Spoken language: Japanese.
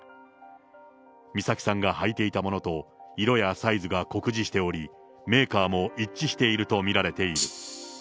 美咲さんが履いていたものと色やサイズが酷似しており、メーカーも一致していると見られている。